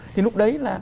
thì lúc đấy là